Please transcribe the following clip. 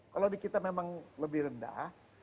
kalau di kita memang lebih rendah